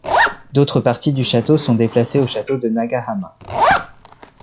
D'autres parties du château sont déplacées au château de Nagahama.